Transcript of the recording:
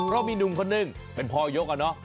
เรามีหนุ่มคนหนึ่งเป็นพ่อยกกับเรา